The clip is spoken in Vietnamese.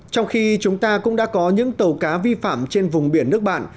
trong khi chúng ta cũng đã có những tàu cá vi phạm trên vùng biển